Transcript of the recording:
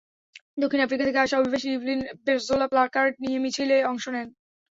দক্ষিণ আফ্রিকা থেকে আসা অভিবাসী ইভলিন বেরজোলা প্ল্যাকার্ড নিয়ে মিছিলে অংশ নেন।